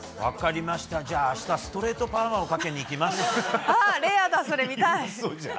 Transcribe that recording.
明日、ストレートパーマかけにいきます。